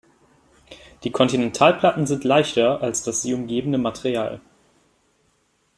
Die Kontinentalplatten sind leichter als das sie umgebende Material.